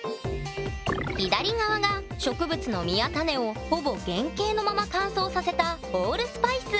左側が植物の実や種をほぼ原形のまま乾燥させたホールスパイス。